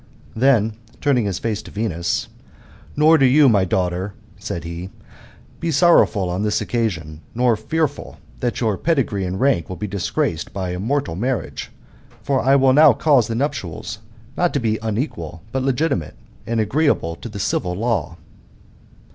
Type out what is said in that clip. Then turning his face to Venus, "Nor do you, my daughter," said he, *'be sorrowful on this occasion, nor fearful that your pedigree and rank will be dis graced by a mortal marriage; for I will now cause the nuptials not to be unequal, but legitimate, and agreeable to the civil / law."